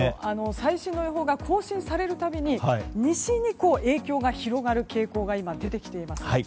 最新の予報が更新されるたびに西に影響が広がる傾向が出てきています。